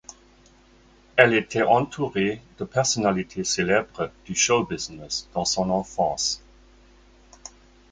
Elle était entourée de personnalités célèbres du show business dans son enfance.